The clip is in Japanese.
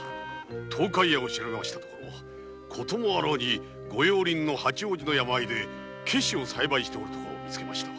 東海屋を調べましたところこともあろうにご用林の八王子の山間でケシを栽培しておるのをみつけました。